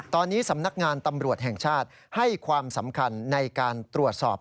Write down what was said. ตอนนี้สำนักงานตำรวจแห่งชาติให้ความสำคัญในการตรวจสอบ